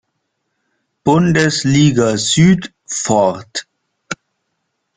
Bundesliga Süd fort.